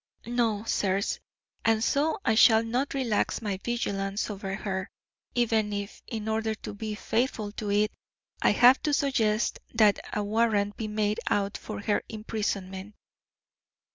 No, sirs; and so I shall not relax my vigilance over her, even if, in order to be faithful to it, I have to suggest that a warrant be made out for her imprisonment."